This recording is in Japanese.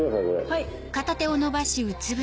はい。